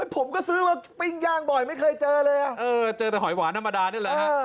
ผมก็ซื้อมาปิ้งย่างบ่อยไม่เคยเจอเลยเจอแต่หอยหวานธรรมดานี่แหละฮะ